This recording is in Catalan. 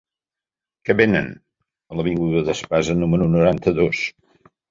Què venen a l'avinguda d'Espasa número noranta-dos?